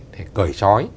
để cởi trói